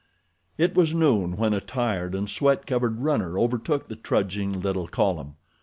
It was noon when a tired and sweat covered runner overtook the trudging little column.